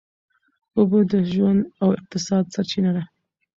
اوبه د ژوند او اقتصاد سرچینه ده.